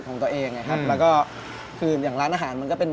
จริงดีปวดไม่เธอ